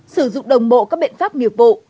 sử dụng đồng bộ các biện pháp nghiệp bộ